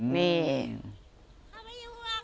นี่